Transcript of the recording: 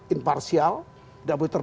imparsial tidak boleh terpenuhi